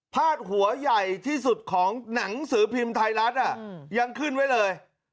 หัวใหญ่ที่สุดของหนังสือพิมพ์ไทยรัฐยังขึ้นไว้เลย